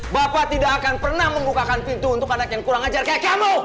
bapak tidak akan pernah membukakan pintu untuk anak yang kurang ajar kayak kamu